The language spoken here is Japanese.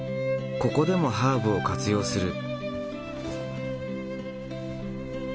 ここでもハーブを活用する。